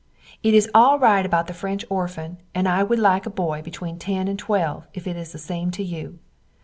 It is al rite about the french orfan and I wood like a boy between ten and twelve if it is the same to you.